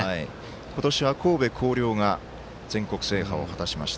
今年は神戸弘陵が全国制覇を果たしました。